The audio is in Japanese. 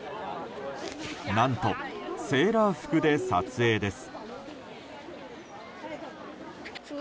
何とセーラー服で撮影です。